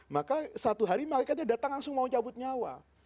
maka satu hari mereka datang langsung mau cabut nyawa